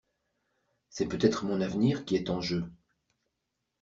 C'est peut-être mon avenir qui est en jeu.